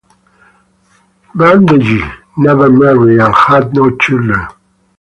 Brandegee never married and had no children.